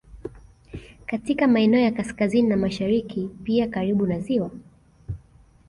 Katika maeneo ya kaskazini na mashariki pia karibu na ziwa